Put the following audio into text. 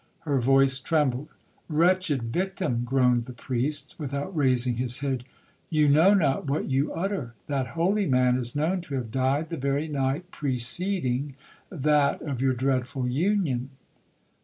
Her voice trembled.—'Wretched victim!' groaned the priest, without raising his head, 'you know not what you utter—that holy man is known to have died the very night preceding that of your dreadful union.'